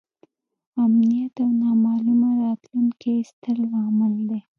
امنیت او نامعلومه راتلونکې یې ستر لامل دی.